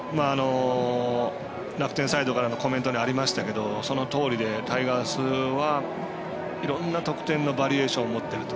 楽天サイドからのコメントにありましたけどそのとおりでタイガースはいろんな得点のバリエーションを持っていると。